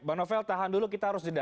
bang novel tahan dulu kita harus jeda